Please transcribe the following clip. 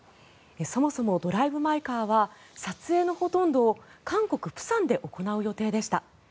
そもそも「ドライブ・マイ・カー」は撮影のほとんどを韓国・釜山で行う予定でした。